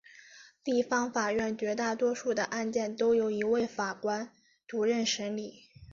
地方法院绝大多数的案件都由一位法官独任审理。